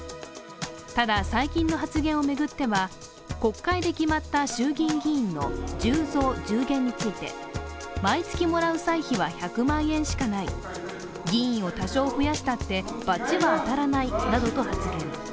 ただ、最近の発言を巡っては、国会で決まった衆議院議員の１０増１０減について、毎月もらう歳費は１００万円しかない、議員を多少増やしたってバチは当たらないなどと発言。